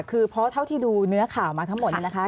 คือเพราะเท่าที่ดูเนื้อข่าวมาทั้งหมดเนี่ยนะคะ